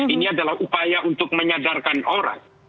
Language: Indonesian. ini adalah upaya untuk menyadarkan orang